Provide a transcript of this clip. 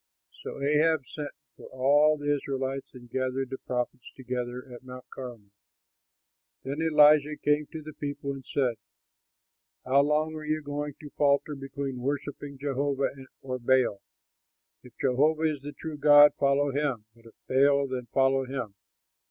So Ahab sent for all the Israelites and gathered the prophets together at Mount Carmel. Then Elijah came to the people and said, "How long are you going to falter between worshipping Jehovah or Baal? If Jehovah is the true God, follow him, but if Baal, then follow him."